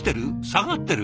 下がってる？